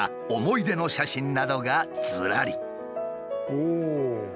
おお！